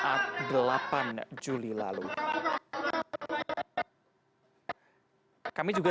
pemeriksaan keempat berlangsung di baris krimpori